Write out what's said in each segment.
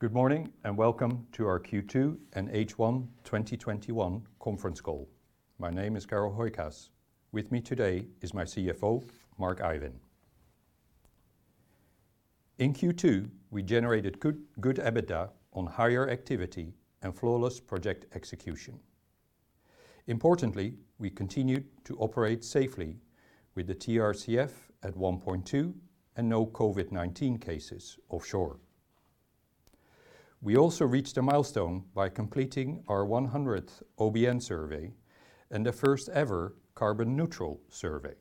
Good morning, and welcome to our Q2 and H1 2021 conference call. My name is Carel Hooijkaas. With me today is my Chief Financial Officer, Mark Ivin. In Q2, we generated good EBITDA on higher activity and flawless project execution. Importantly, we continued to operate safely with the TRCF at 1.2 and no COVID-19 cases offshore. We also reached a milestone by completing our 100th OBN survey and the first ever carbon neutral survey.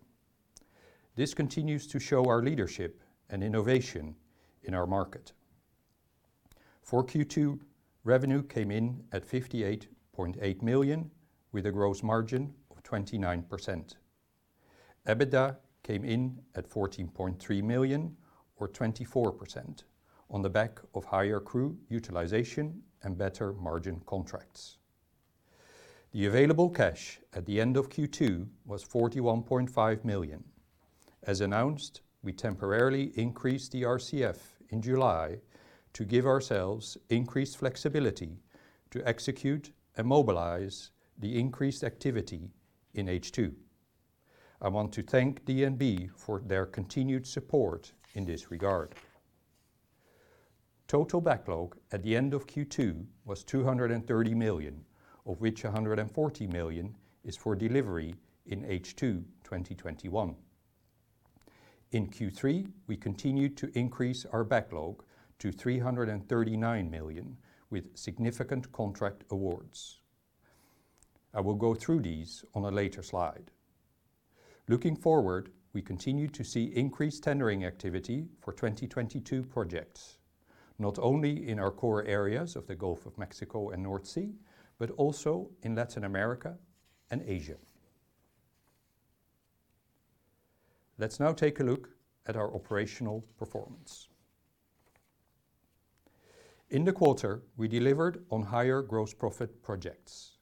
This continues to show our leadership and innovation in our market. For Q2, revenue came in at $58.8 million, with a gross margin of 29%. EBITDA came in at $14.3 million or 24%, on the back of higher crew utilization and better margin contracts. The available cash at the end of Q2 was $41.5 million. As announced, we temporarily increased the RCF in July to give ourselves increased flexibility to execute and mobilize the increased activity in H2. I want to thank DNB for their continued support in this regard. Total backlog at the end of Q2 was $230 million, of which $140 million is for delivery in H2 2021. In Q3, we continued to increase our backlog to $339 million with significant contract awards. I will go through these on a later slide. Looking forward, we continue to see increased tendering activity for 2022 projects, not only in our core areas of the Gulf of Mexico and North Sea, but also in Latin America and Asia. Let's now take a look at our operational performance. In the quarter, we delivered on higher gross profit projects.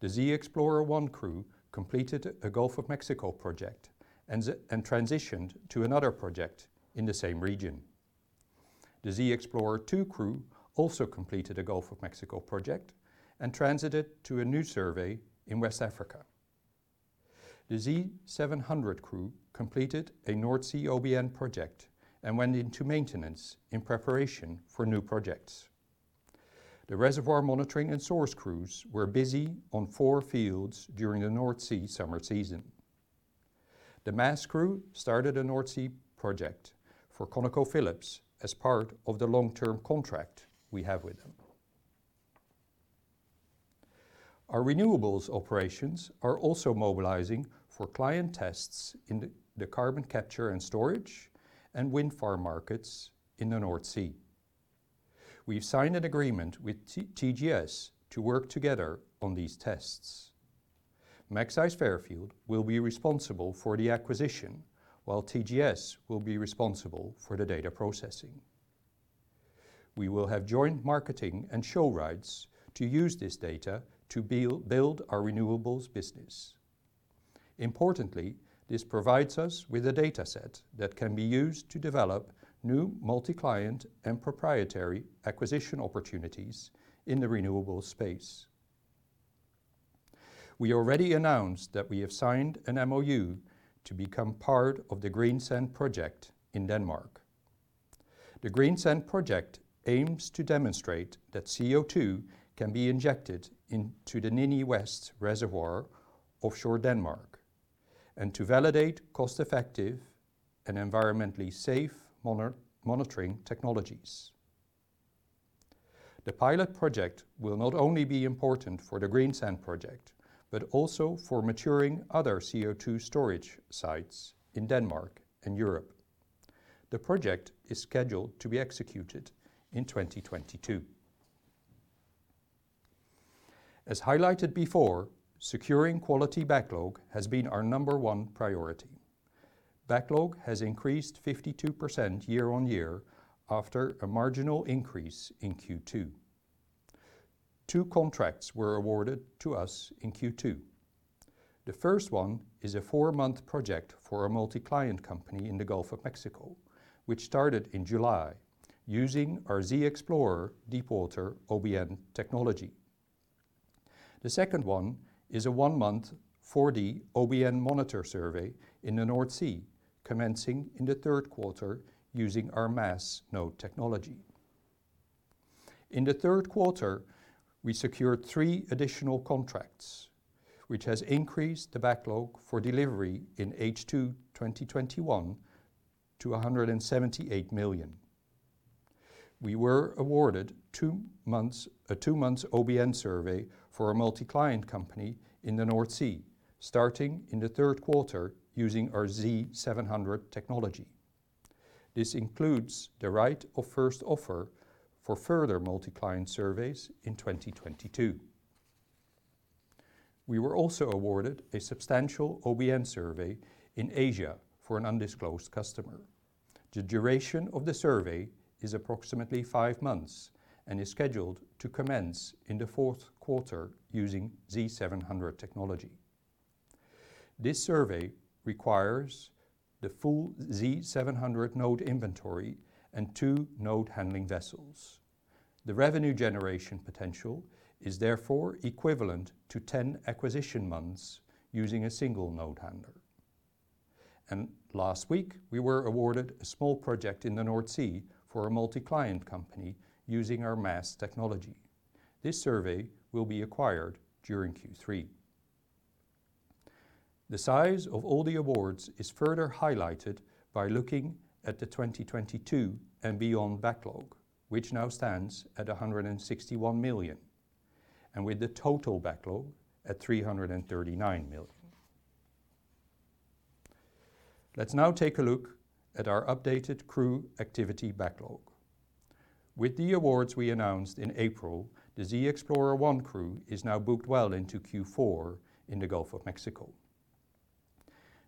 The ZXPLR1 crew completed a Gulf of Mexico project and transitioned to another project in the same region. The Z Explorer Two crew also completed a Gulf of Mexico project and transited to a new survey in West Africa. The Z700 crew completed a North Sea OBN project and went into maintenance in preparation for new projects. The reservoir monitoring and source crews were busy on four fields during the North Sea summer season. The MASS crew started a North Sea project for ConocoPhillips as part of the long-term contract we have with them. Our renewables operations are also mobilizing for client tests in the carbon capture and storage and wind farm markets in the North Sea. We've signed an agreement with TGS to work together on these tests. Magseis Fairfield will be responsible for the acquisition, while TGS will be responsible for the data processing. We will have joint marketing and show rides to use this data to build our renewables business. Importantly, this provides us with a dataset that can be used to develop new multi-client and proprietary acquisition opportunities in the renewables space. We already announced that we have signed an MOU to become part of Project Greensand in Denmark. Project Greensand aims to demonstrate that CO2 can be injected into the Nini West reservoir offshore Denmark, and to validate cost-effective and environmentally safe monitoring technologies. The pilot project will not only be important for Project Greensand, but also for maturing other CO2 storage sites in Denmark and Europe. The project is scheduled to be executed in 2022. As highlighted before, securing quality backlog has been our number one priority. Backlog has increased 52% year-on-year after a marginal increase in Q2. two contracts were awarded to us in Q2. The first one is a four-month project for a multi-client company in the Gulf of Mexico, which started in July, using our ZXPLR deepwater OBN technology. The second one is a one-month 4D OBN monitor survey in the North Sea, commencing in the third quarter using our MASS node technology. In the third quarter, we secured three additional contracts, which has increased the backlog for delivery in H2 2021 to $178 million. We were awarded a two-month OBN survey for a multi-client company in the North Sea, starting in the third quarter using our Z700 technology. This includes the right of first offer for further multi-client surveys in 2022. We were also awarded a substantial OBN survey in Asia for an undisclosed customer. The duration of the survey is approximately five months and is scheduled to commence in the fourth quarter using Z700 technology. This survey requires the full Z700 node inventory and two node handling vessels. The revenue generation potential is therefore equivalent to 10 acquisition months using a single node handler. Last week, we were awarded a small project in the North Sea for a multi-client company using our MASS technology. This survey will be acquired during Q3. The size of all the awards is further highlighted by looking at the 2022 and beyond backlog, which now stands at $161 million, and with the total backlog at $339 million. Let's now take a look at our updated crew activity backlog. With the awards we announced in April, the Z Explorer One crew is now booked well into Q4 in the Gulf of Mexico.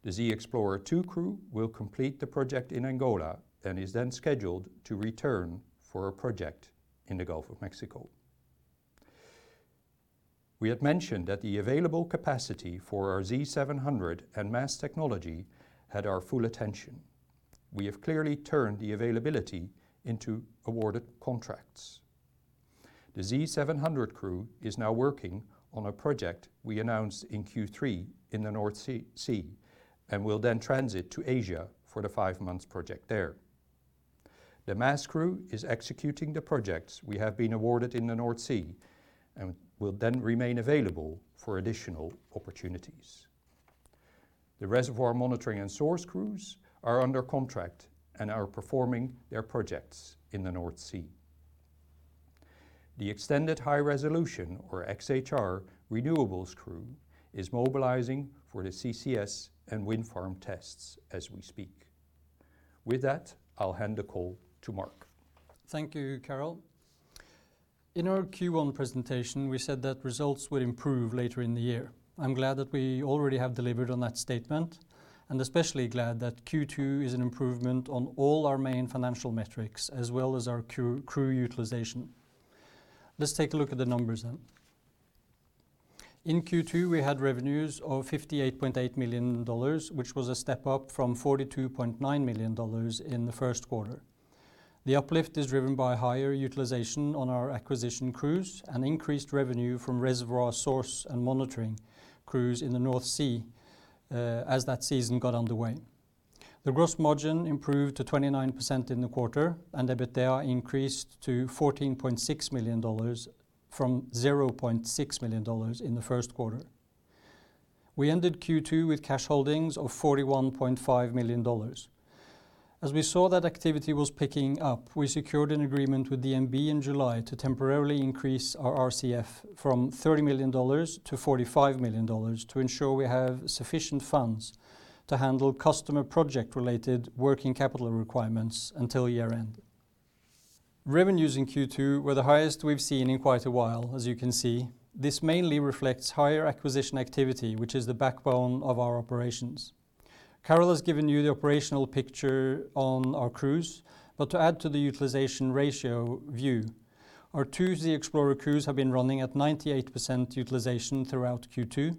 The Z Explorer Two crew will complete the project in Angola and is then scheduled to return for a project in the Gulf of Mexico. We had mentioned that the available capacity for our Z700 and MASS technology had our full attention. We have clearly turned the availability into awarded contracts. The Z700 crew is now working on a project we announced in Q3 in the North Sea, and will then transit to Asia for the five-month project there. The MASS crew is executing the projects we have been awarded in the North Sea and will then remain available for additional opportunities. The reservoir monitoring and source crews are under contract and are performing their projects in the North Sea. The extended high resolution, or XHR, renewables crew is mobilizing for the CCS and wind farm tests as we speak. With that, I'll hand the call to Mark. Thank you, Carel. In our Q1 presentation, we said that results would improve later in the year. I'm glad that we already have delivered on that statement, and especially glad that Q2 is an improvement on all our main financial metrics, as well as our crew utilization. Let's take a look at the numbers then. In Q2, we had revenues of $58.8 million, which was a step up from $42.9 million in the first quarter. The uplift is driven by higher utilization on our acquisition crews and increased revenue from reservoir source and monitoring crews in the North Sea as that season got underway. The gross margin improved to 29% in the quarter, and EBITDA increased to $14.6 million from $0.6 million in the first quarter. We ended Q2 with cash holdings of $41.5 million. As we saw that activity was picking up, we secured an agreement with DNB in July to temporarily increase our RCF from $30 million to $45 million to ensure we have sufficient funds to handle customer project-related working capital requirements until year-end. Revenues in Q2 were the highest we've seen in quite a while, as you can see. This mainly reflects higher acquisition activity, which is the backbone of our operations. Carel has given you the operational picture on our crews, but to add to the utilization ratio view, our two Z Explorer crews have been running at 98% utilization throughout Q2.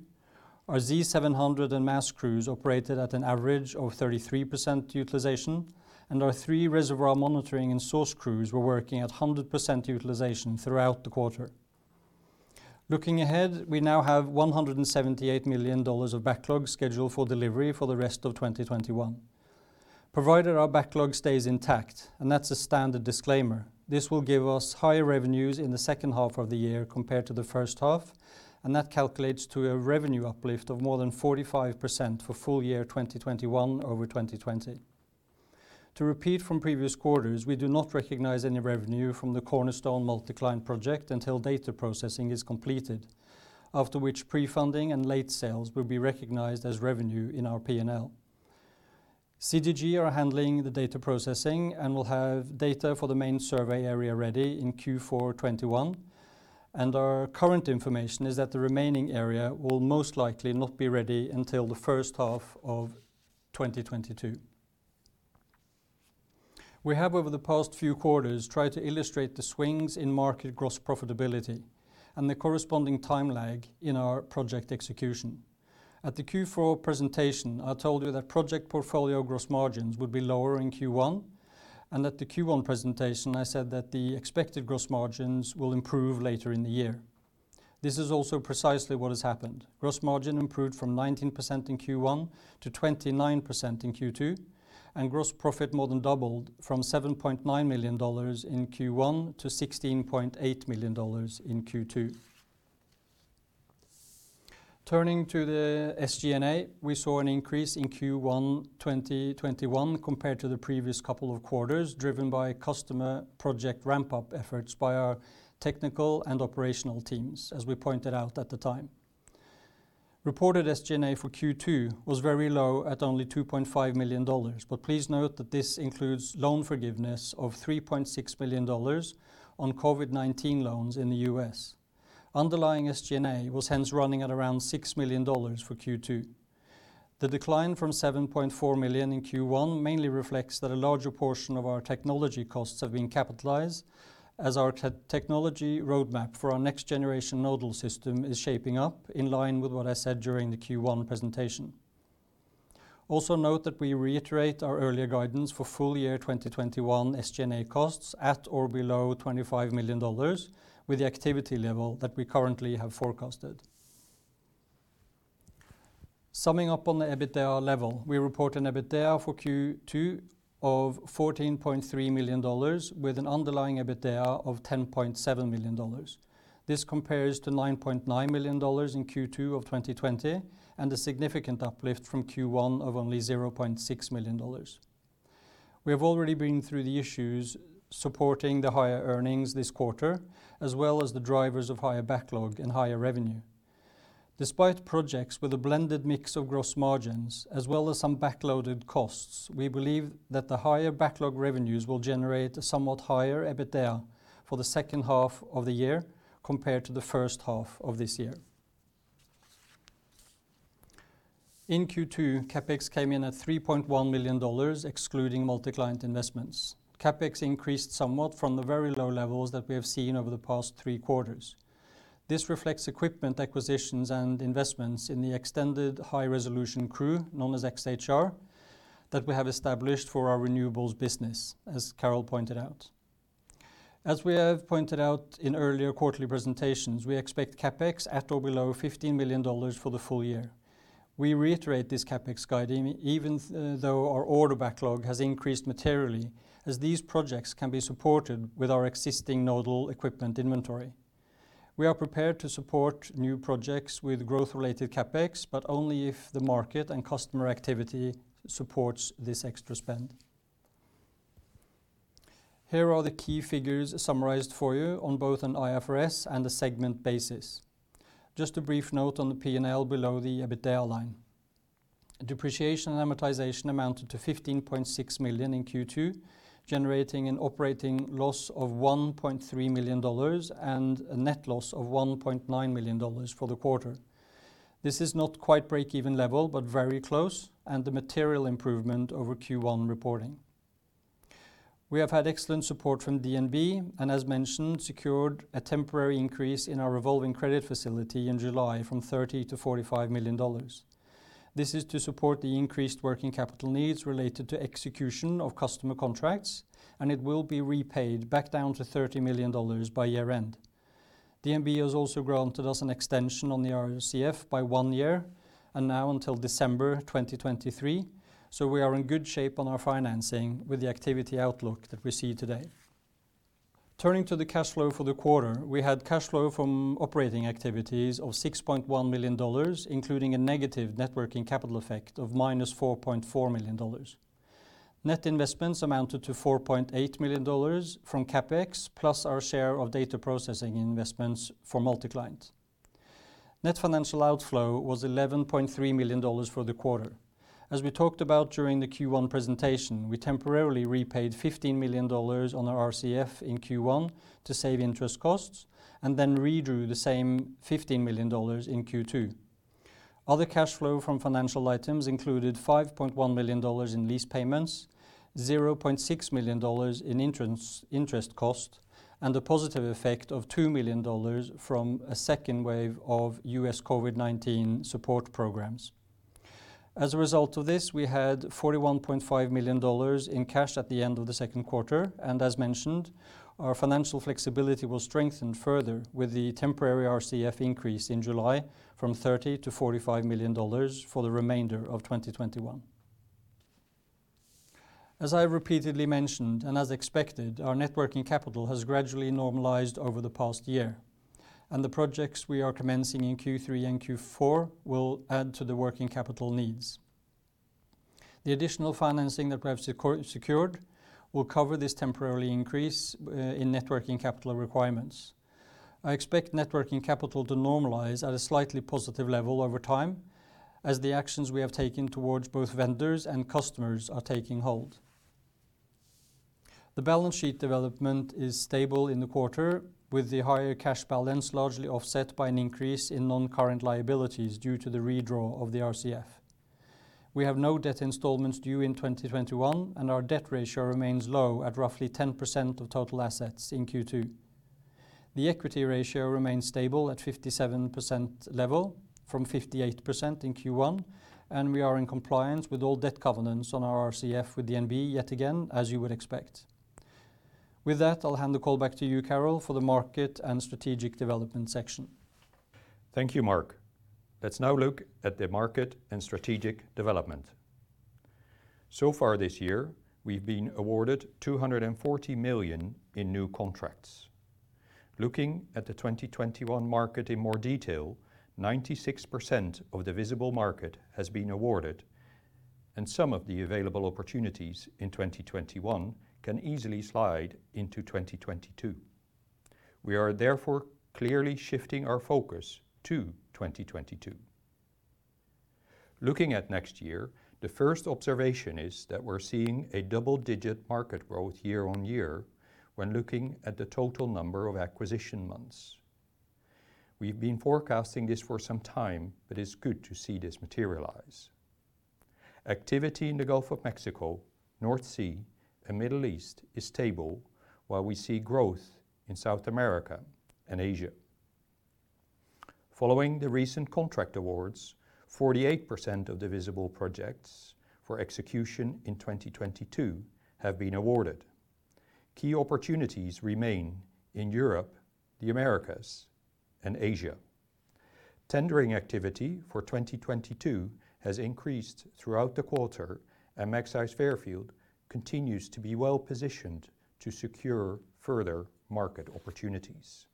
Our Z700 and MASS crews operated at an average of 33% utilization, and our three reservoir monitoring and source crews were working at 100% utilization throughout the quarter. Looking ahead, we now have $178 million of backlog scheduled for delivery for the rest of 2021. Provided our backlog stays intact, and that's a standard disclaimer, this will give us higher revenues in the second half of the year compared to the first half, and that calculates to a revenue uplift of more than 45% for full year 2021 over 2020. To repeat from previous quarters, we do not recognize any revenue from the Cornerstone multi-client project until data processing is completed, after which pre-funding and late sales will be recognized as revenue in our P&L. CGG are handling the data processing and will have data for the main survey area ready in Q4 2021, and our current information is that the remaining area will most likely not be ready until the first half of 2022. We have, over the past few quarters, tried to illustrate the swings in market gross profitability and the corresponding time lag in our project execution. At the Q4 presentation, I told you that project portfolio gross margins would be lower in Q1, and at the Q1 presentation, I said that the expected gross margins will improve later in the year. This is also precisely what has happened. Gross margin improved from 19% in Q1 to 29% in Q2, and gross profit more than doubled from $7.9 million in Q1 to $16.8 million in Q2. Turning to the SG&A, we saw an increase in Q1 2021 compared to the previous couple of quarters, driven by customer project ramp-up efforts by our technical and operational teams, as we pointed out at the time. Reported SG&A for Q2 was very low at only $2.5 million, but please note that this includes loan forgiveness of $3.6 million on COVID-19 loans in the U.S. Underlying SG&A was hence running at around $6 million for Q2. The decline from $7.4 million in Q1 mainly reflects that a larger portion of our technology costs have been capitalized, as our technology roadmap for our next-generation nodal system is shaping up in line with what I said during the Q1 presentation. Also note that we reiterate our earlier guidance for full year 2021 SG&A costs at or below $25 million with the activity level that we currently have forecasted. Summing up on the EBITDA level, we report an EBITDA for Q2 of $14.3 million with an underlying EBITDA of $10.7 million. This compares to $9.9 million in Q2 of 2020 and a significant uplift from Q1 of only $0.6 million. We have already been through the issues supporting the higher earnings this quarter, as well as the drivers of higher backlog and higher revenue. Despite projects with a blended mix of gross margins, as well as some back-loaded costs, we believe that the higher backlog revenues will generate a somewhat higher EBITDA for the second half of the year compared to the first half of this year. In Q2, CapEx came in at $3.1 million, excluding multi-client investments. CapEx increased somewhat from the very low levels that we have seen over the past three quarters. This reflects equipment acquisitions and investments in the extended high resolution crew, known as XHR, that we have established for our renewables business, as Carel pointed out. As we have pointed out in earlier quarterly presentations, we expect CapEx at or below $15 million for the full year. We reiterate this CapEx guide even though our order backlog has increased materially, as these projects can be supported with our existing nodal equipment inventory. We are prepared to support new projects with growth-related CapEx, but only if the market and customer activity supports this extra spend. Here are the key figures summarized for you on both an IFRS and a segment basis. Just a brief note on the P&L below the EBITDA line. Depreciation and amortization amounted to $15.6 million in Q2, generating an operating loss of $1.3 million and a net loss of $1.9 million for the quarter. This is not quite break-even level, but very close and the material improvement over Q1 reporting. We have had excellent support from DNB, and as mentioned, secured a temporary increase in our revolving credit facility in July from $30 million to $45 million. This is to support the increased working capital needs related to execution of customer contracts, and it will be repaid back down to $30 million by year end. DNB has also granted us an extension on the RCF by 1 year and now until December 2023. We are in good shape on our financing with the activity outlook that we see today. Turning to the cash flow for the quarter, we had cash flow from operating activities of $6.1 million, including a negative net working capital effect of -$4.4 million. Net investments amounted to $4.8 million from CapEx plus our share of data processing investments for multi-client. Net financial outflow was $11.3 million for the quarter. As we talked about during the Q1 presentation, we temporarily repaid $15 million on our RCF in Q1 to save interest costs and then redrew the same $15 million in Q2. Other cash flow from financial items included $5.1 million in lease payments, $0.6 million in interest cost, and a positive effect of $2 million from a second wave of U.S. COVID-19 support programs. As a result of this, we had $41.5 million in cash at the end of the second quarter, and as mentioned, our financial flexibility will strengthen further with the temporary RCF increase in July from $30 million to $45 million for the remainder of 2021. As I repeatedly mentioned and as expected, our net working capital has gradually normalized over the past year, and the projects we are commencing in Q3 and Q4 will add to the working capital needs. The additional financing that we have secured will cover this temporary increase in net working capital requirements. I expect net working capital to normalize at a slightly positive level over time as the actions we have taken towards both vendors and customers are taking hold. The balance sheet development is stable in the quarter, with the higher cash balance largely offset by an increase in non-current liabilities due to the redraw of the RCF. We have no debt installments due in 2021, and our debt ratio remains low at roughly 10% of total assets in Q2. The equity ratio remains stable at 57% level from 58% in Q1, and we are in compliance with all debt covenants on our RCF with DNB yet again, as you would expect. With that, I'll hand the call back to you, Carel, for the market and strategic development section. Thank you, Mark. Let's now look at the market and strategic development. Far this year, we've been awarded $240 million in new contracts. Looking at the 2021 market in more detail, 96% of the visible market has been awarded, and some of the available opportunities in 2021 can easily slide into 2022. We are therefore clearly shifting our focus to 2022. Looking at next year, the first observation is that we're seeing a double-digit market growth year on year when looking at the total number of acquisition months. We've been forecasting this for some time, but it's good to see this materialize. Activity in the Gulf of Mexico, North Sea, and Middle East is stable, while we see growth in South America and Asia. Following the recent contract awards, 48% of the visible projects for execution in 2022 have been awarded. Key opportunities remain in Europe, the Americas, and Asia. Tendering activity for 2022 has increased throughout the quarter. Magseis Fairfield continues to be well-positioned to secure further market opportunities.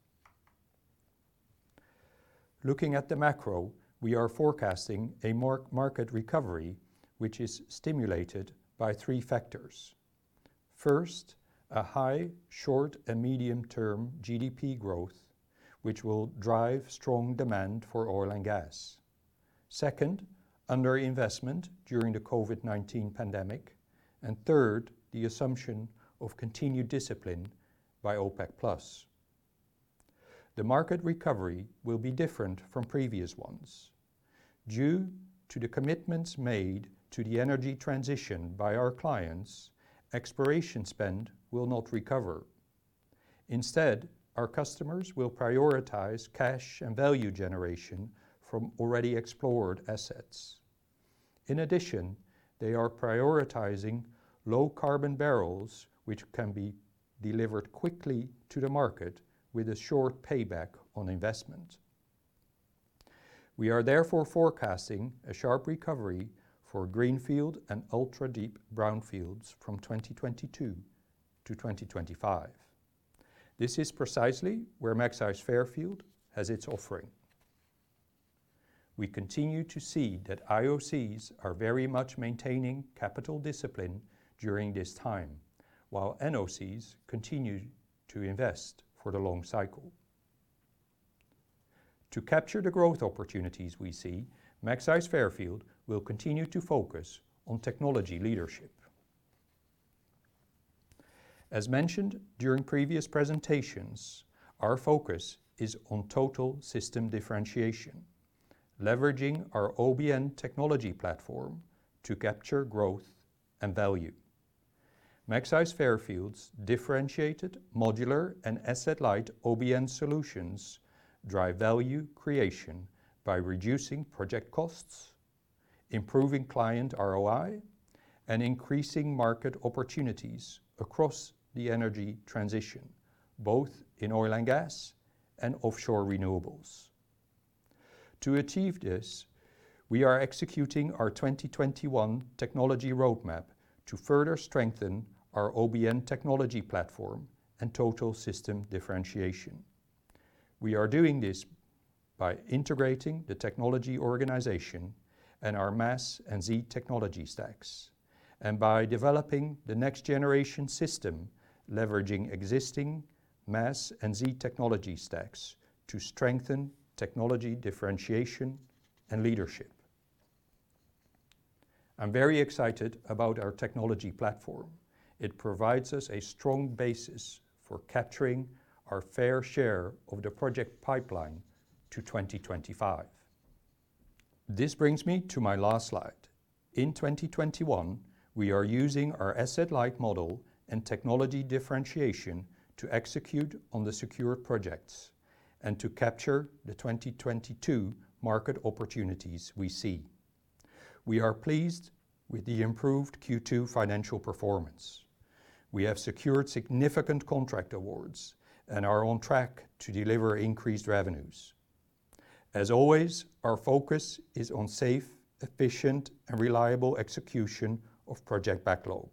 Looking at the macro, we are forecasting a market recovery, which is stimulated by three factors. First, a high short and medium-term GDP growth, which will drive strong demand for oil and gas. Second, under-investment during the COVID-19 pandemic. Third, the assumption of continued discipline by OPEC+. The market recovery will be different from previous ones. Due to the commitments made to the energy transition by our clients, exploration spend will not recover. Instead, our customers will prioritize cash and value generation from already explored assets. In addition, they are prioritizing low carbon barrels, which can be delivered quickly to the market with a short payback on investment. We are therefore forecasting a sharp recovery for greenfield and ultra-deep brownfields from 2022 to 2025. This is precisely where Magseis Fairfield has its offering. We continue to see that IOCs are very much maintaining capital discipline during this time, while NOCs continue to invest for the long cycle. To capture the growth opportunities we see, Magseis Fairfield will continue to focus on technology leadership. As mentioned during previous presentations, our focus is on total system differentiation, leveraging our OBN technology platform to capture growth and value. Magseis Fairfield's differentiated modular and asset-light OBN solutions drive value creation by reducing project costs, improving client ROI, and increasing market opportunities across the energy transition, both in oil and gas and offshore renewables. To achieve this, we are executing our 2021 Technology Roadmap to further strengthen our OBN technology platform and total system differentiation. We are doing this by integrating the technology organization and our MASS and Z technology stacks and by developing the next generation system, leveraging existing MASS and Z technology stacks to strengthen technology differentiation and leadership. I'm very excited about our technology platform. It provides us a strong basis for capturing our fair share of the project pipeline to 2025. This brings me to my last slide. In 2021, we are using our asset-light model and technology differentiation to execute on the secure projects and to capture the 2022 market opportunities we see. We are pleased with the improved Q2 financial performance. We have secured significant contract awards and are on track to deliver increased revenues. As always, our focus is on safe, efficient, and reliable execution of project backlog.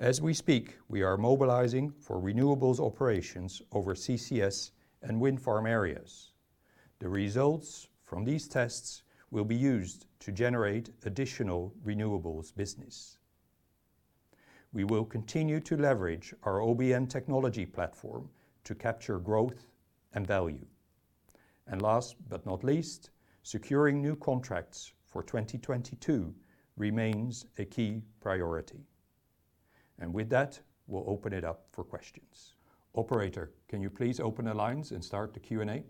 As we speak, we are mobilizing for renewables operations over CCS and wind farm areas. The results from these tests will be used to generate additional renewables business. We will continue to leverage our OBN technology platform to capture growth and value. Last but not least, securing new contracts for 2022 remains a key priority. With that, we'll open it up for questions. Operator, can you please open the lines and start the Q&A?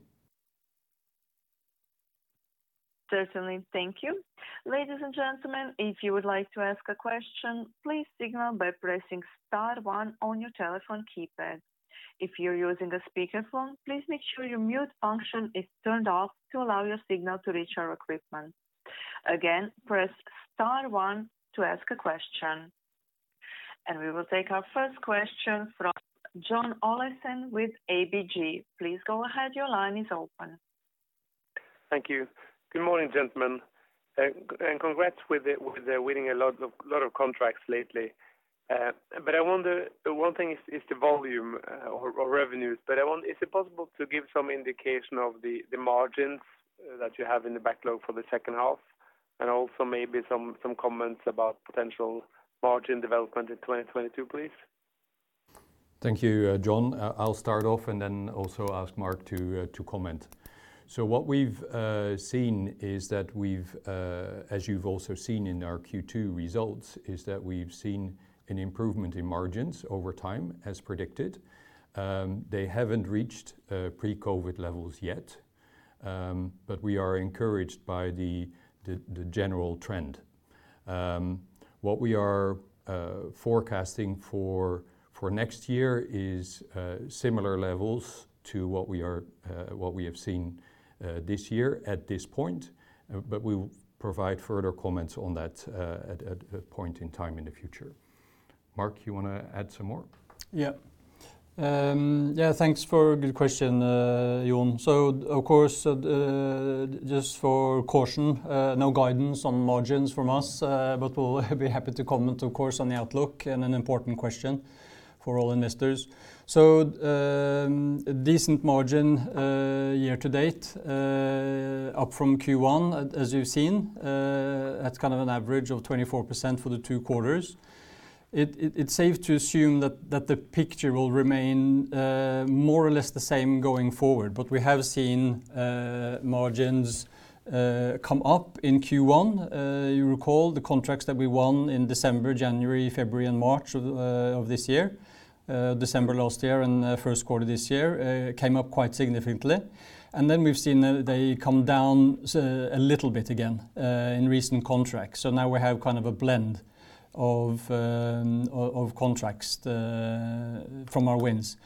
We will take our first question from John Olaisen with ABG. Please go ahead. Your line is open. Thank you. Good morning, gentlemen. Congrats with winning a lot of contracts lately. I wonder, one thing is the volume or revenues. Is it possible to give some indication of the margins that you have in the backlog for the second half? Also maybe some comments about potential margin development in 2022, please. Thank you, John. I'll start off and then also ask Mark to comment. What we've seen is that, as you've also seen in our Q2 results, we've seen an improvement in margins over time, as predicted. They haven't reached pre-COVID levels yet. We are encouraged by the general trend. What we are forecasting for next year is similar levels to what we have seen this year at this point. We will provide further comments on that at a point in time in the future. Mark, you want to add some more? Yeah. Thanks for a good question, John. Of course, just for caution, no guidance on margins from us. We'll be happy to comment, of course, on the outlook and an important question for all investors. A decent margin year to date, up from Q1, as you've seen. That's an average of 24% for the two quarters. It's safe to assume that the picture will remain more or less the same going forward, but we have seen margins come up in Q1. You recall the contracts that we won in December, January, February, and March of this year, December last year and first quarter this year, came up quite significantly. We've seen they come down a little bit again in recent contracts. Now we have a blend of contracts from our wins.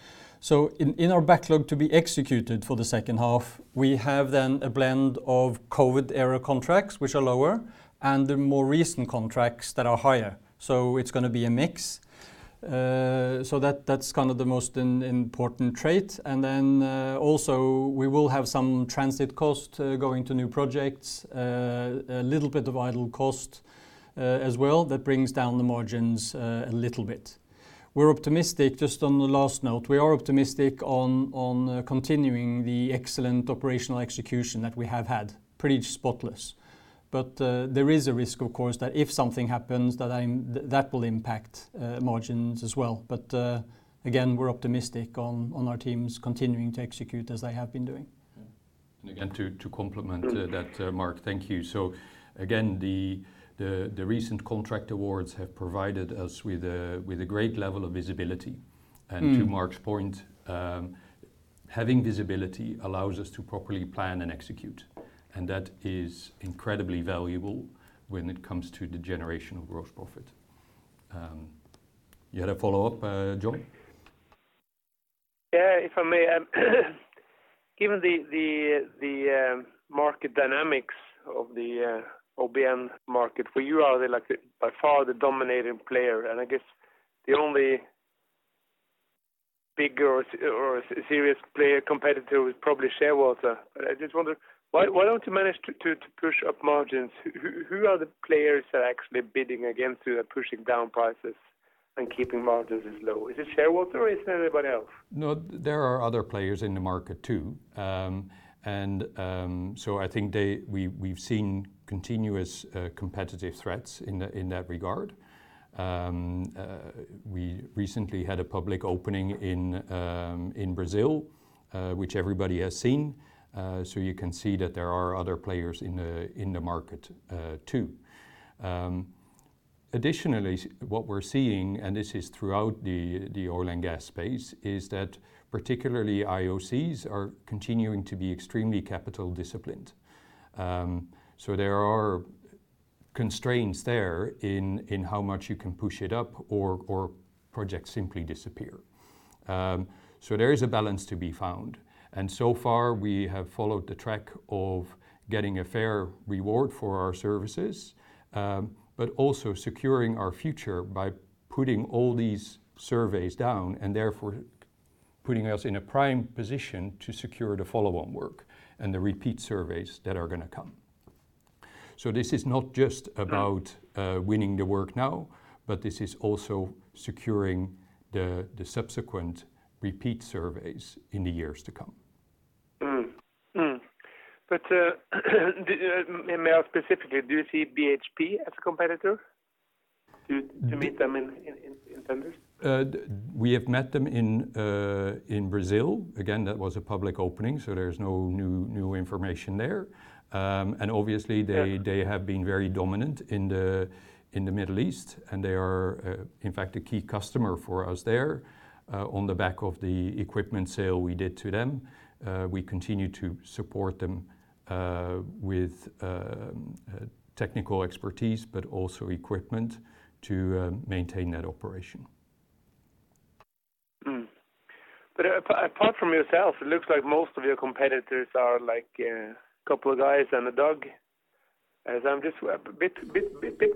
In our backlog to be executed for the second half, we have then a blend of COVID era contracts, which are lower, and the more recent contracts that are higher. It's going to be a mix. That's the most important trait. Also, we will have some transit cost going to new projects. A little bit of idle cost as well that brings down the margins a little bit. We're optimistic, just on the last note, we are optimistic on continuing the excellent operational execution that we have had. Pretty spotless. There is a risk, of course, that if something happens, that will impact margins as well. Again, we're optimistic on our teams continuing to execute as they have been doing. Again, to complement that, Mark, thank you. Again, the recent contract awards have provided us with a great level of visibility. To Mark's point, having visibility allows us to properly plan and execute, and that is incredibly valuable when it comes to the generation of gross profit. You had a follow-up, John? Yeah, if I may. Given the market dynamics of the OBN market, where you are by far the dominating player, and I guess the only big or serious player competitor is probably Shearwater. I just wonder, why don't you manage to push up margins? Who are the players that are actually bidding against you and pushing down prices and keeping margins as low? Is it Shearwater or is it anybody else? No, there are other players in the market, too. I think we've seen continuous competitive threats in that regard. We recently had a public opening in Brazil, which everybody has seen. You can see that there are other players in the market, too. Additionally, what we're seeing, and this is throughout the oil and gas space, is that particularly IOCs are continuing to be extremely capital disciplined. There are constraints there in how much you can push it up or projects simply disappear. There is a balance to be found, and so far, we have followed the track of getting a fair reward for our services, but also securing our future by putting all these surveys down, and therefore putting us in a prime position to secure the follow-on work and the repeat surveys that are going to come. This is not just about winning the work now, but this is also securing the subsequent repeat surveys in the years to come. May I ask specifically, do you see BHP as a competitor? To meet them in tenders? We have met them in Brazil. Again, that was a public opening, so there's no new information there. Obviously, they have been very dominant in the Middle East, and they are, in fact, a key customer for us there on the back of the equipment sale we did to them. We continue to support them with technical expertise, but also equipment to maintain that operation. Apart from yourself, it looks like most of your competitors are a couple of guys and a dog. I'm just a bit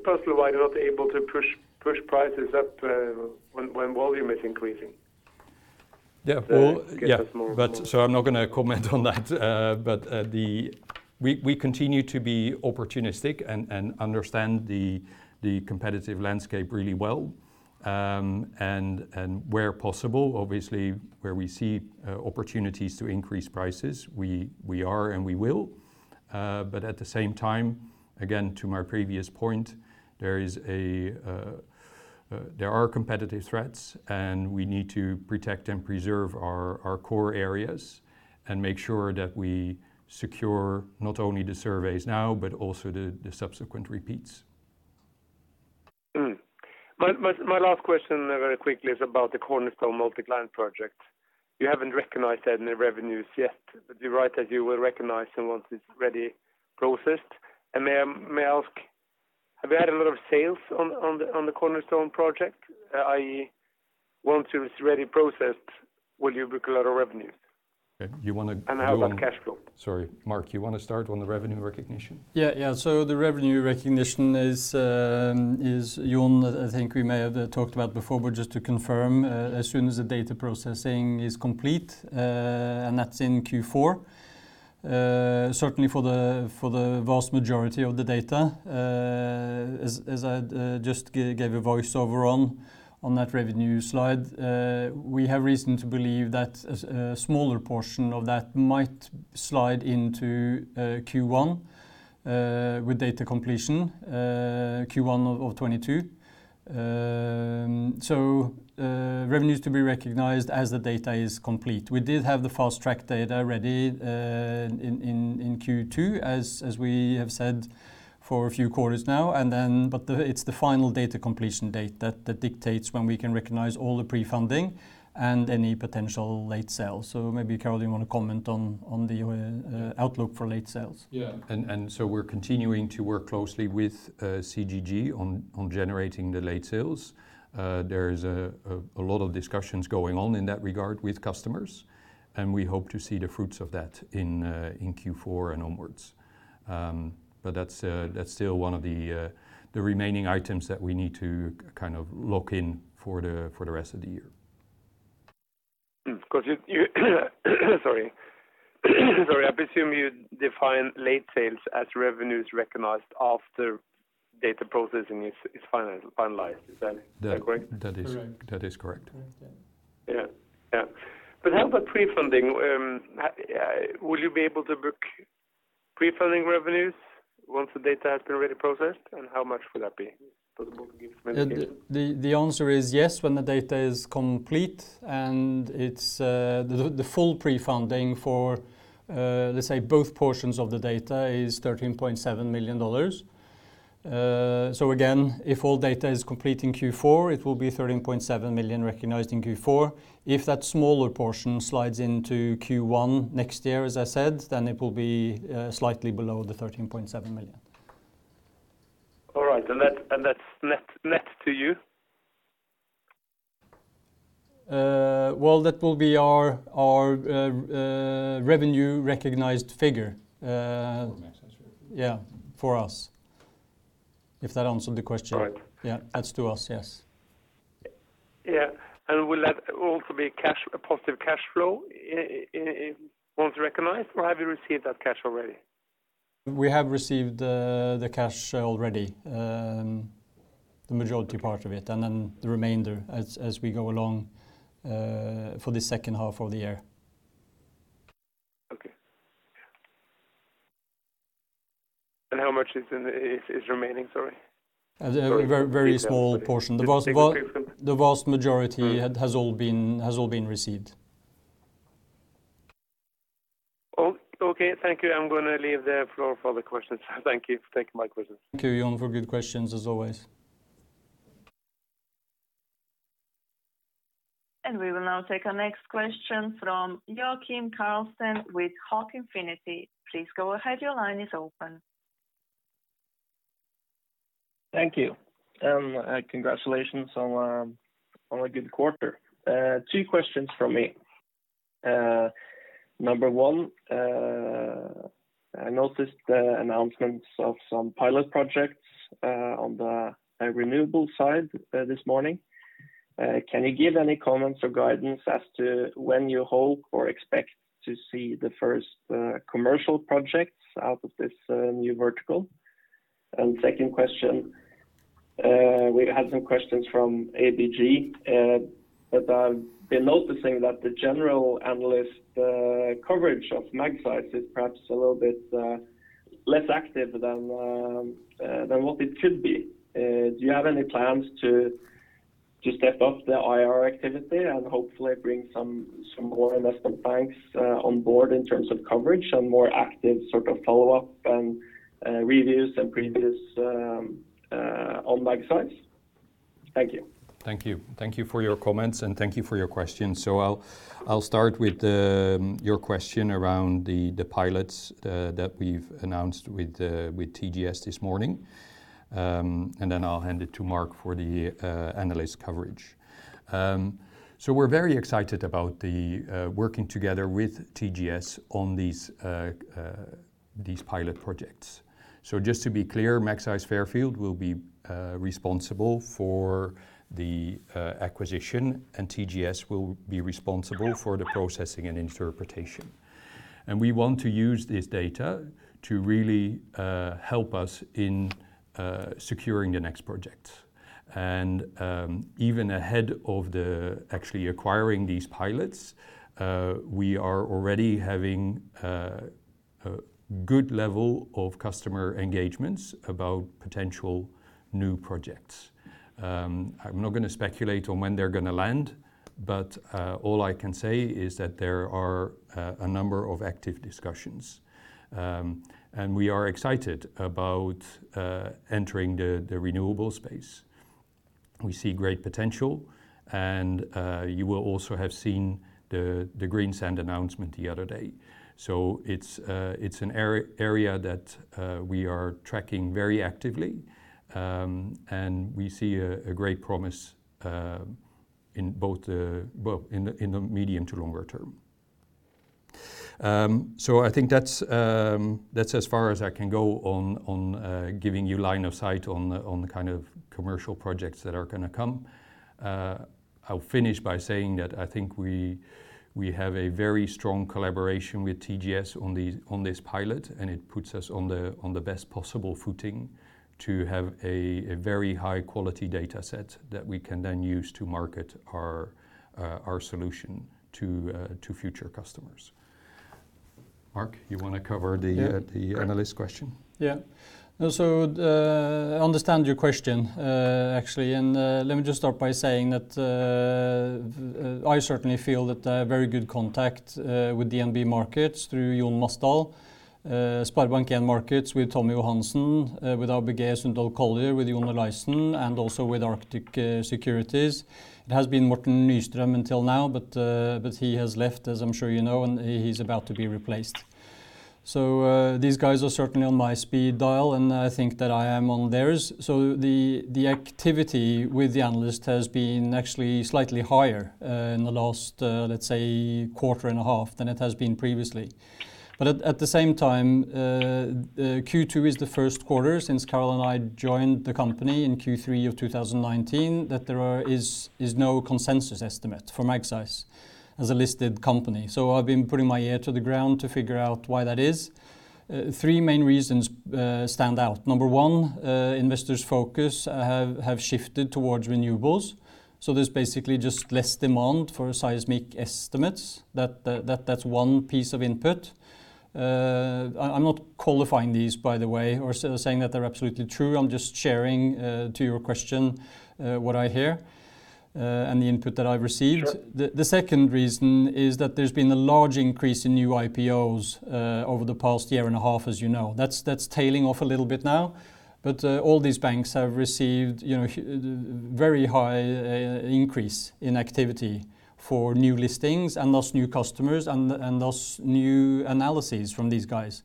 puzzled why you're not able to push prices up when volume is increasing. Yeah. Give us more- I'm not going to comment on that. We continue to be opportunistic and understand the competitive landscape really well, and where possible, obviously, where we see opportunities to increase prices, we are and we will. At the same time, again, to my previous point, there are competitive threats, and we need to protect and preserve our core areas and make sure that we secure not only the surveys now, but also the subsequent repeats. My last question very quickly is about the Cornerstone multi-client project. You haven't recognized that in the revenues yet, but you're right that you will recognize them once it's ready, processed. May I ask, have you had a lot of sales on the Cornerstone project? I.e., once it is ready, processed, will you book a lot of revenues? Okay. You want to. How about cash flow? Sorry, Mark, you want to start on the revenue recognition? The revenue recognition is, John, I think we may have talked about before, but just to confirm, as soon as the data processing is complete, and that's in Q4, certainly for the vast majority of the data, as I just gave a voiceover on that revenue slide. We have reason to believe that a smaller portion of that might slide into Q1 with data completion, Q1 of 2022. Revenues to be recognized as the data is complete. We did have the fast-track data ready in Q2, as we have said for a few quarters now, but it's the final data completion date that dictates when we can recognize all the pre-funding and any potential late sales. Maybe, Carel, you want to comment on the outlook for late sales? Yeah. We're continuing to work closely with CGG on generating the late sales. There is a lot of discussions going on in that regard with customers, and we hope to see the fruits of that in Q4 and onwards. That's still one of the remaining items that we need to lock in for the rest of the year. Of course. Sorry. I presume you define late sales as revenues recognized after data processing is finalized. Is that correct? That is correct. Correct. Yeah. Yeah. How about pre-funding? Will you be able to book pre-funding revenues once the data has been ready, processed, and how much will that be? So John can maybe- The answer is yes, when the data is complete. The full pre-funding for, let's say, both portions of the data is $13.7 million. Again, if all data is complete in Q4, it will be $13.7 million recognized in Q4. If that smaller portion slides into Q1 next year, as I said, then it will be slightly below the $13.7 million. All right. That's net to you? Well, that will be our revenue recognized figure. For Magseis. Yeah, for us, if that answered the question. Right. Yeah. That's to us, yes. Yeah. Will that also be a positive cash flow once recognized, or have you received that cash already? We have received the cash already, the majority part of it, and then the remainder as we go along for the second half of the year. Okay. How much is remaining? Sorry. A very, very small portion. The vast majority has all been received. Okay, thank you. I'm going to leave the floor for other questions. Thank you for taking my questions. Thank you, John, for good questions as always. We will now take our next question from Joakim Carlsten with Hawk Infinity. Please go ahead. Your line is open. Thank you. Congratulations on a good quarter. two questions from me. Number one, I noticed the announcements of some pilot projects on the renewable side this morning. Can you give any comments or guidance as to when you hope or expect to see the first commercial projects out of this new vertical? Second question, we had some questions from ABG, but I've been noticing that the general analyst coverage of Magseis is perhaps a little bit less active than what it should be. Do you have any plans to step up the IR activity and hopefully bring some more investment banks on board in terms of coverage and more active sort of follow-up and reviews and previews on Magseis? Thank you. Thank you. Thank you for your comments and thank you for your questions. I'll start with your question around the pilots that we've announced with TGS this morning, then I'll hand it to Mark for the analyst coverage. We're very excited about working together with TGS on these pilot projects. Just to be clear, Magseis Fairfield will be responsible for the acquisition, and TGS will be responsible for the processing and interpretation. We want to use this data to really help us in securing the next project. Even ahead of the actually acquiring these pilots, we are already having a good level of customer engagements about potential new projects. I'm not going to speculate on when they're going to land. All I can say is that there are a number of active discussions. We are excited about entering the renewable space. We see great potential. You will also have seen the Project Greensand announcement the other day. It's an area that we are tracking very actively, and we see a great promise in the medium to longer term. I think that's as far as I can go on giving you line of sight on the commercial projects that are going to come. I'll finish by saying that I think we have a very strong collaboration with TGS on this pilot, and it puts us on the best possible footing to have a very high-quality data set that we can then use to market our solution to future customers. Mark, you want to cover the analyst question? I understand your question, actually. Let me just start by saying that I certainly feel that I have very good contact with DNB Markets through John Mastal, Sparebank Markets with Tommy Johannessen, with ABG Sundal Collier with John Olaisen, and also with Arctic Securities. It has been Morten Nystrøm until now, but he has left, as I'm sure you know, and he's about to be replaced. These guys are certainly on my speed dial, and I think that I am on theirs. The activity with the analyst has been actually slightly higher in the last, let's say, quarter and a half than it has been previously. At the same time, Q2 is the first quarter since Carel and I joined the company in Q3 of 2019, that there is no consensus estimate for Magseis as a listed company. I've been putting my ear to the ground to figure out why that is. three main reasons stand out. Number 1, investors' focus have shifted towards renewables. There's basically just less demand for seismic estimates. That's one piece of input. I'm not qualifying these, by the way, or saying that they're absolutely true. I'm just sharing, to your question, what I hear and the input that I've received. Sure. The second reason is that there's been a large increase in new IPOs over the past year and a half, as you know. That's tailing off a little bit now, but all these banks have received very high increase in activity for new listings and thus new customers and thus new analyses from these guys.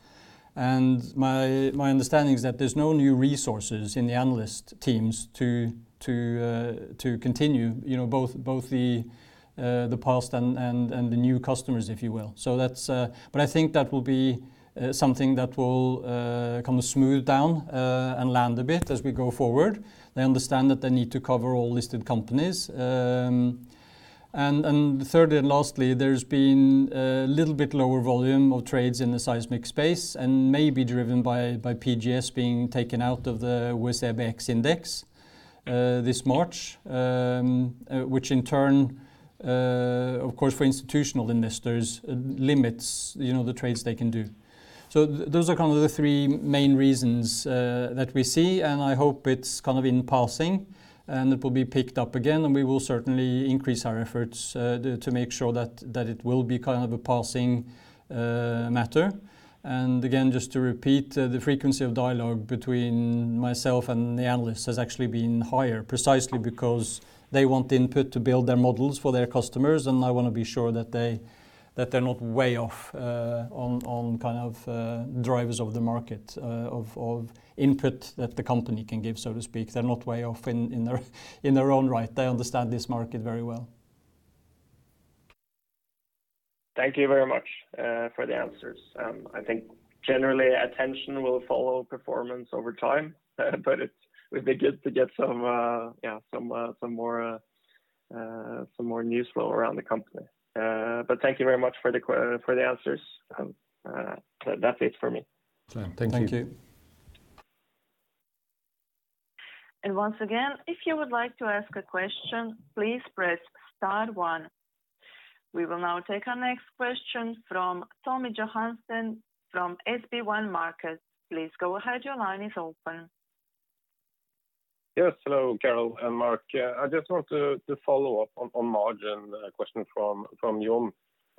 My understanding is that there's no new resources in the analyst teams to continue both the past and the new customers, if you will. I think that will be something that will smooth down and land a bit as we go forward. They understand that they need to cover all listed companies. Thirdly, and lastly, there's been a little bit lower volume of trades in the seismic space and may be driven by PGS being taken out of the OBX Index this March. Which in turn, of course, for institutional investors, limits the trades they can do. Those are the 3 main reasons that we see, and I hope it's in passing, and it will be picked up again, and we will certainly increase our efforts to make sure that it will be a passing matter. Again, just to repeat, the frequency of dialogue between myself and the analysts has actually been higher precisely because they want input to build their models for their customers, and I want to be sure that they're not way off on drivers of the market of input that the company can give, so to speak. They're not way off in their own right. They understand this market very well. Thank you very much for the answers. I think generally attention will follow performance over time, but it would be good to get some more news flow around the company. Thank you very much for the answers. That's it for me. Thank you. Thank you. Once again, if you would like to ask a question, please press star 1. We will now take our next question from Tommy Johannessen from SB1 Markets. Please go ahead. Your line is open. Yes, hello, Carel and Mark. I just want to follow up on margin question from John.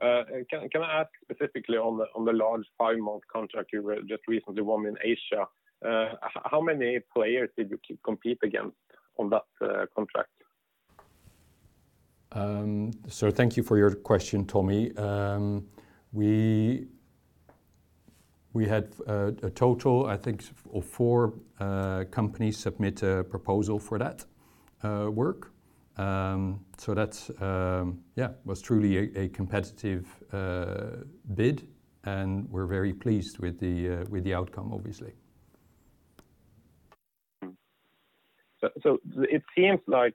Can I ask specifically on the large 5-month contract you just recently won in Asia, how many players did you compete against on that contract? Thank you for your question, Tommy. We had a total, I think, of four companies submit a proposal for that work. That was truly a competitive bid, and we're very pleased with the outcome, obviously. It seems like,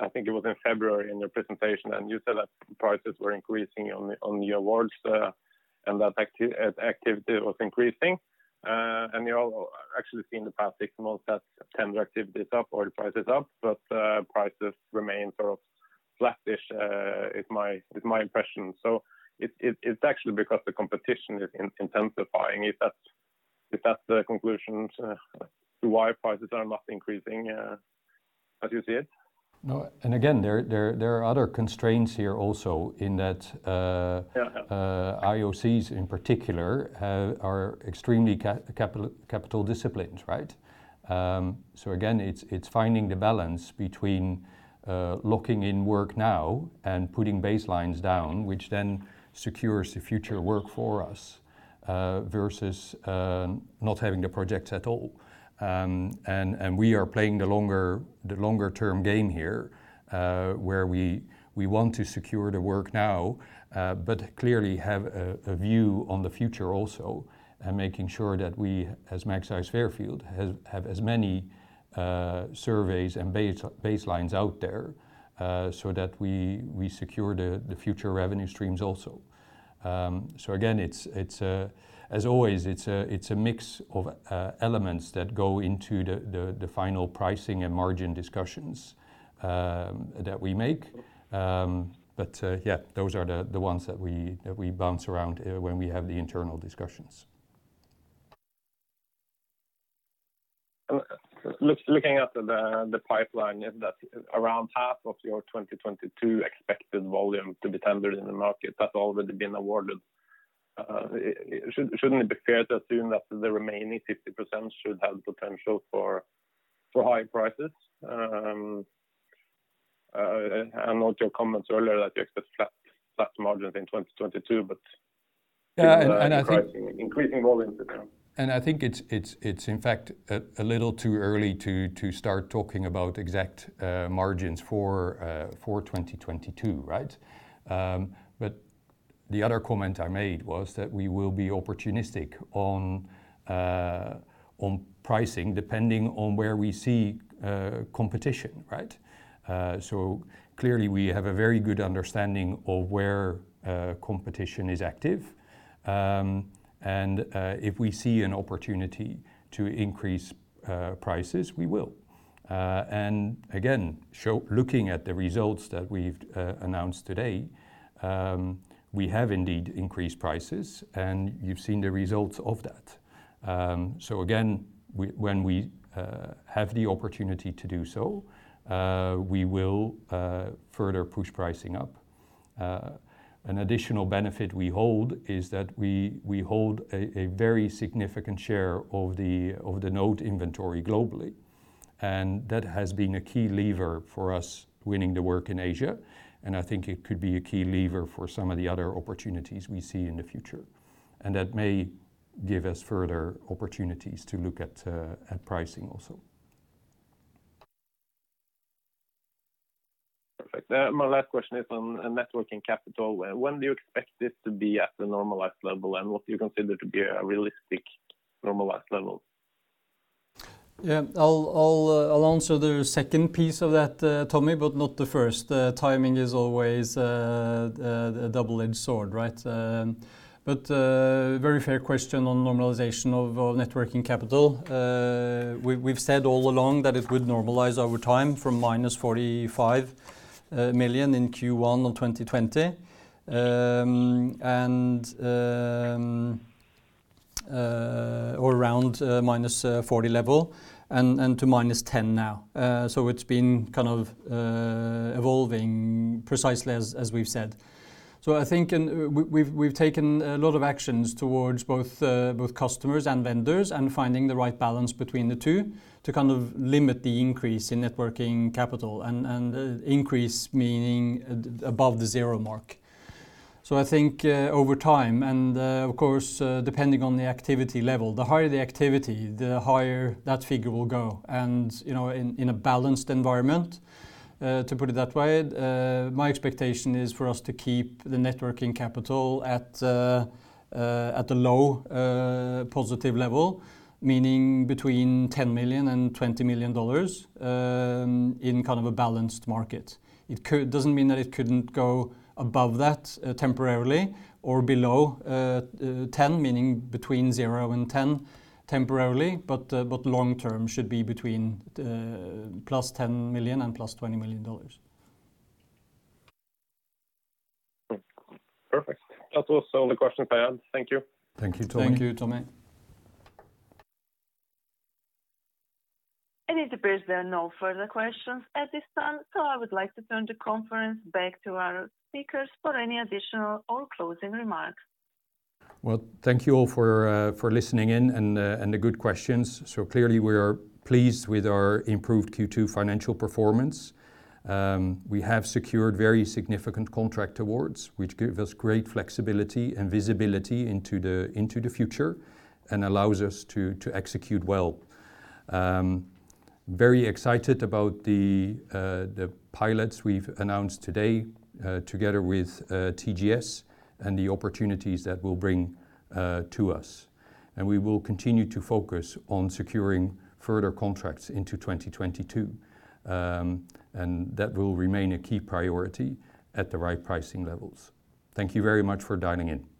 I think it was in February in your presentation, you said that prices were increasing on the awards, and that activity was increasing. You all actually seen the past six months that tender activity is up, oil price is up, but prices remain sort of flattish is my impression. It's actually because the competition is intensifying. Is that the conclusion to why prices are not increasing as you see it? No. Again, there are other constraints here also. Yeah IOCs in particular are extremely capital disciplined. Again, it's finding the balance between locking in work now and putting baselines down, which then secures the future work for us, versus not having the projects at all. We are playing the longer-term game here, where we want to secure the work now, but clearly have a view on the future also, and making sure that we, as Magseis Fairfield, have as many surveys and baselines out there so that we secure the future revenue streams also. Again, as always, it's a mix of elements that go into the final pricing and margin discussions that we make. Yeah, those are the ones that we bounce around when we have the internal discussions. Looking at the pipeline, around half of your 2022 expected volume to be tendered in the market has already been awarded. Shouldn't it be fair to assume that the remaining 50% should have potential for high prices? I know your comments earlier that you expect flat margins in 2022. Yeah. increasing volumes I think it's in fact a little too early to start talking about exact margins for 2022. The other comment I made was that we will be opportunistic on pricing depending on where we see competition. Clearly, we have a very good understanding of where competition is active. If we see an opportunity to increase prices, we will. Again, looking at the results that we've announced today, we have indeed increased prices, and you've seen the results of that. Again, when we have the opportunity to do so, we will further push pricing up. An additional benefit we hold is that we hold a very significant share of the node inventory globally, and that has been a key lever for us winning the work in Asia, and I think it could be a key lever for some of the other opportunities we see in the future. That may give us further opportunities to look at pricing also. Perfect. My last question is on net working capital. When do you expect this to be at the normalized level, and what do you consider to be a realistic normalized level? Yeah. I'll answer the second piece of that, Tommy, but not the first. Timing is always a double-edged sword. Very fair question on normalization of networking capital. We've said all along that it would normalize over time from -$45 million in Q1 of 2020, or around -$40 level, and to -$10 now. It's been evolving precisely as we've said. I think we've taken a lot of actions towards both customers and vendors and finding the right balance between the 2 to limit the increase in networking capital, and increase meaning above the zero mark. I think over time, and of course, depending on the activity level, the higher the activity, the higher that figure will go. In a balanced environment, to put it that way, my expectation is for us to keep the networking capital at a low positive level, meaning between $10 million and $20 million in a balanced market. It doesn't mean that it couldn't go above that temporarily or below $10, meaning between $0 and $10 temporarily, but long-term should be between plus $10 million and plus $20 million. Perfect. That was all the questions I had. Thank you. Thank you, Tommy. Thank you, Tommy. It appears there are no further questions at this time. I would like to turn the conference back to our speakers for any additional or closing remarks. Well, thank you all for listening in and the good questions. Clearly, we are pleased with our improved Q2 financial performance. We have secured very significant contract awards, which give us great flexibility and visibility into the future and allows us to execute well. Very excited about the pilots we've announced today together with TGS and the opportunities that will bring to us. We will continue to focus on securing further contracts into 2022. That will remain a key priority at the right pricing levels. Thank you very much for dialing in.